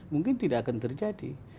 mungkin tidak akan terjadi